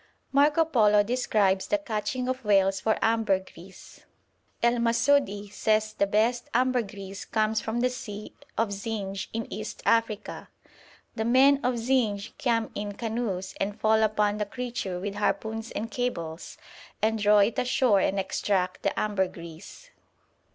Marco Polo describes the catching of whales for ambergris. El Masoudi says the best ambergris comes from the sea of Zinj in East Africa: 'The men of Zinj come in canoes and fall upon the creature with harpoons and cables, and draw it ashore and extract the ambergris.'